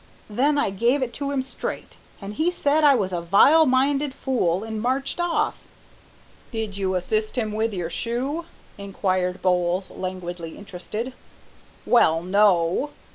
Then I gave it to him straight, and he said I was a vile minded fool and marched off." "Did you assist him with your shoe?" inquired Bowles, languidly interested. "Well, no."